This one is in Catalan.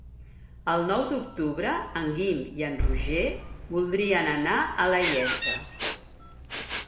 El nou d'octubre en Guim i en Roger voldrien anar a la Iessa.